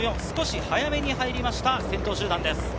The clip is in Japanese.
少し早めに入りました、先頭集団です。